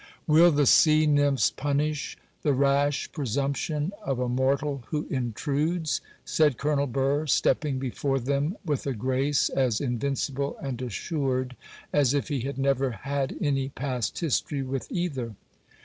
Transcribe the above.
'Will the sea nymphs punish the rash presumption of a mortal who intrudes?' said Colonel Burr, stepping before them with a grace as invincible and assured as if he had never had any past history with either.